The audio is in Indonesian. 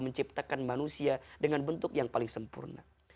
menciptakan manusia dengan bentuk yang paling sempurna